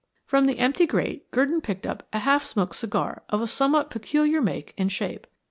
From the empty grate Gurdon picked up a half smoked cigar of a somewhat peculiar make and shape.